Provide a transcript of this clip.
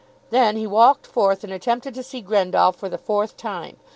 Then he walked forth, and attempted to see Grendall for the fourth time.